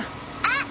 あっ。